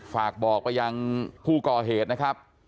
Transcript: ฝากบอกไปยังผู้ก่อเหตุนะครับ